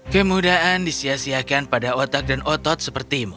kemudahan disiasiakan pada otak dan otot sepertimu